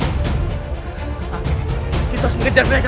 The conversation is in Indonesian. nah kita harus mengejar mereka